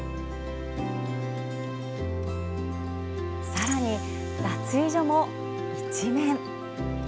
さらに、脱衣所も一面。